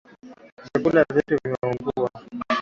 Vyakula vyetu vimeungua